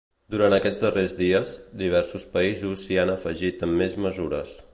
Durant aquests darrers dies, diversos països s’hi han afegit amb més mesures.